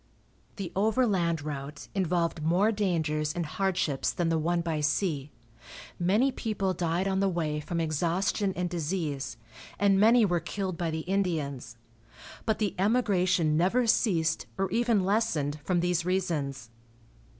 The overland route involved more dangers and hardships than the one by sea. Many people died on the way from exhaustion and disease, and many were killed by the Indians, but the emigration never ceased, or even lessened, from these reasons.